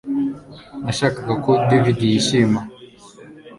Nashakaga ko David yishima